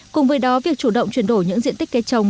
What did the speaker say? cùng với đó việc chủ động chuyển đổi những diện tích cây trồng